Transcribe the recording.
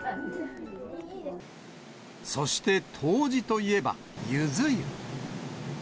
そして、冬至といえば、ゆず湯。